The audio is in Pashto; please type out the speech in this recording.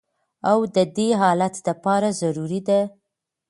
او د دې حالت د پاره ضروري ده